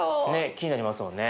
気になりますよね。